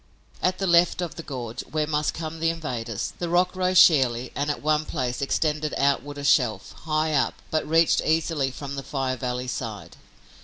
At the left of the gorge, where must come the invaders, the rock rose sheerly and at one place extended outward a shelf, high up, but reached easily from the Fire Valley side.